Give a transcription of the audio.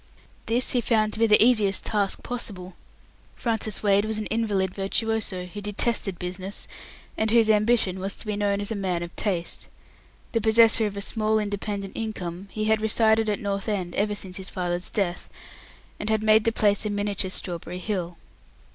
This he found to be the easiest task possible. Francis Wade was an invalid virtuoso, who detested business, and whose ambition was to be known as man of taste. The possessor of a small independent income, he had resided at North End ever since his father's death, and had made the place a miniature Strawberry Hill.